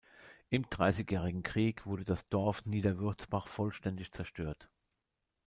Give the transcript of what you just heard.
Im Dreißigjährigen Krieg wurde das Dorf Niederwürzbach vollständig zerstört.